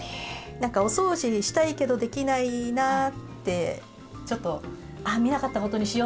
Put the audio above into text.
何かお掃除したいけどできないなあってちょっとあっ見なかったことにしようってなるじゃないですか。